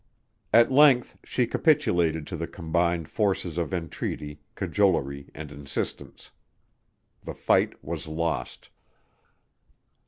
At length she capitulated to the combined forces of entreaty, cajolery and insistence. The fight was lost.